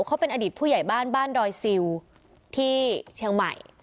เขาเป็นอดีตผู้ใหญ่บ้านบ้านดอยซิลที่เชียงใหม่